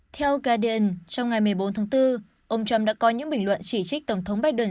theo garden trong ngày một mươi bốn tháng bốn ông trump đã có những bình luận chỉ trích tổng thống biden